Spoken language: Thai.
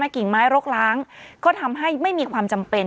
กิ่งไม้รกล้างก็ทำให้ไม่มีความจำเป็น